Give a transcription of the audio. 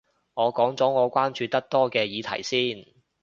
我講咗我關注得多嘅議題先